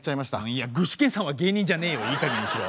いや具志堅さんは芸人じゃねえよいい加減にしろ。